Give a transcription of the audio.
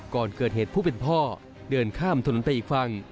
ก่อนเกิดเหตุผู้เป็นพ่อเดินข้ามถนนไปอีกฝั่ง